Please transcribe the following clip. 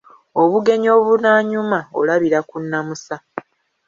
Obugenyi obunaanyuma, olabira ku nnamusa.